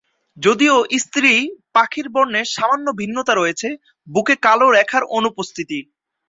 যদিও স্ত্রী পাখির বর্ণে সামান্য ভিন্নতা রয়েছে, বুকে কালো রেখার অনুপস্থিতি।